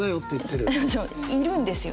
そういるんですよ。